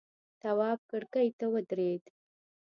تواب کرکۍ ته ودرېد.